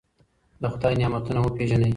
د خدای نعمتونه وپېژنئ.